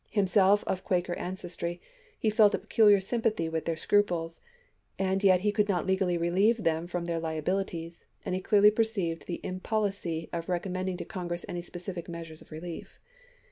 Himself of Quaker ances try, he felt a peculiar sympathy with their scruples, and yet he could not legally relieve them from their liabilities, and he clearly perceived the im policy of recommending to Congress any specific measure of relief.